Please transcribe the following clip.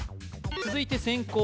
続いて先攻